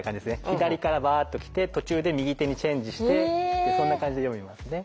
左からバーッときて途中で右手にチェンジしてそんな感じで読みますね。